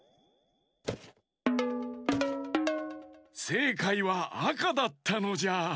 せいかいはあかだったのじゃ。